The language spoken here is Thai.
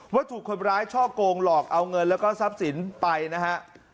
ว่าถูกคนร้ายช่อกงหลอกเอาเงินแล้วก็ทรัพย์สินไปนะฮะ